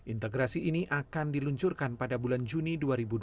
integrasi ini akan diluncurkan pada bulan juni dua ribu dua puluh